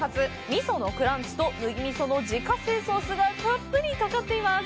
味噌のクランチと麦みその自家製ソースがたっぷりかかっています。